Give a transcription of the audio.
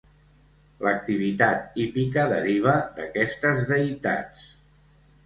L'activitat hípica deriva d'aquestes deïtats.